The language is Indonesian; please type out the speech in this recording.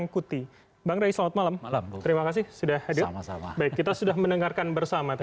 kita sudah mendengarkan bersama